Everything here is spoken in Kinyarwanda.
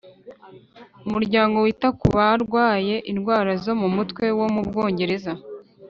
Umuryango wita ku barwaye indwara zo mu mutwe wo mu Bwongereza